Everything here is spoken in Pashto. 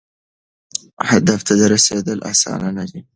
هدف ته رسیدل اسانه نه دي.